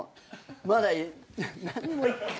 まだ何にも。